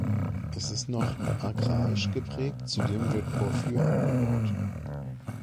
Es ist noch agrarisch geprägt; zudem wird Porphyr abgebaut.